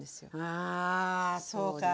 あそうか。